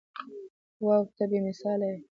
واو ته بې مثاله يې.